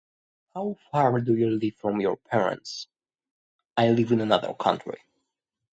How far do you live from your parents? I live in another country.